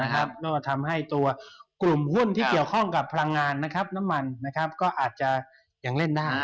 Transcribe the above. แล้วก็ทำให้ตัวกลุ่มหุ้นที่เกี่ยวข้องกับพลังงานน้ำมันก็อาจจะยังเล่นได้